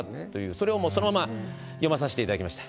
それをもうそのまま詠まさしていただきました。